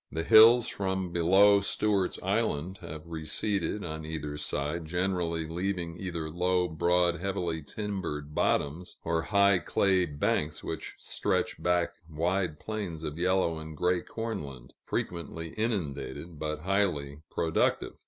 The hills, from below Stewart's Island, have receded on either side, generally leaving either low, broad, heavily timbered bottoms, or high clay banks which stretch back wide plains of yellow and gray corn land frequently inundated, but highly productive.